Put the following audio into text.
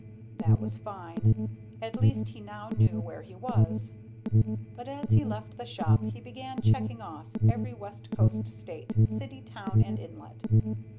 That was fine. At least he now knew where he was. But as he left the shop he began checking off every west coast state, city, town, and inlet.